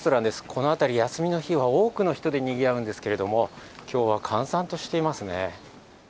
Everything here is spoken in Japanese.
この辺り、休みの日は多くの人でにぎわうんですけれども、今日は閑散としていますね。